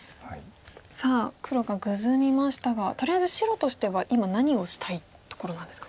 さあ黒がグズみましたがとりあえず白としては今何をしたいところなんですか。